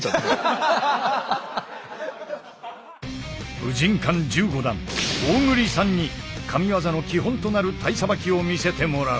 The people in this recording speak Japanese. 武神館十五段大栗さんに神技の基本となる体さばきを見せてもらう。